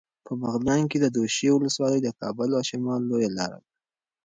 په بغلان کې د دوشي ولسوالي د کابل او شمال لویه لاره ده.